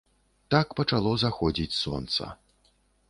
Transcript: Так пачало заходзіць сонца.